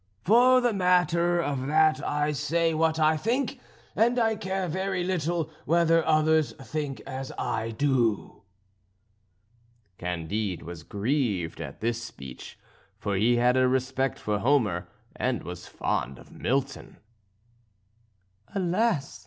For the matter of that I say what I think, and I care very little whether others think as I do." Candide was grieved at this speech, for he had a respect for Homer and was fond of Milton. "Alas!"